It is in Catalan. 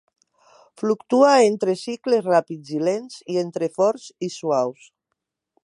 Fluctua entre cicles ràpids i lents, i entre forts i suaus.